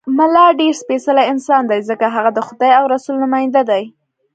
ملا ډېر سپېڅلی انسان دی، ځکه هغه د خدای او رسول نماینده دی.